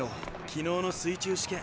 昨日の水中試験